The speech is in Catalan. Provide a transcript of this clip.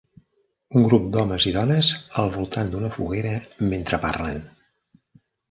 Un grup d"homes i dones al voltant d"una foguera mentre parlen.